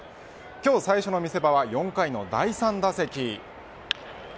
今日最初の見せ場は４回の第３打席。